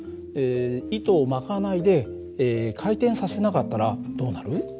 糸を巻かないで回転させなかったらどうなる？